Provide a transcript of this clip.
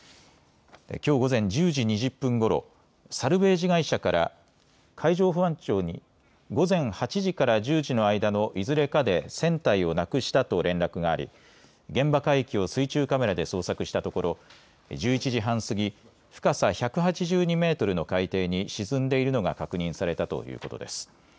きょう午前１０時２０分ごろサルベージ会社から海上保安庁に午前８時から１０時の間のいずれかで船体をなくしたと連絡があり、現場海域を水中カメラで捜索したところ１１時半過ぎ、深さ１８２メートルの海底に沈んでいるのが確認されたということです。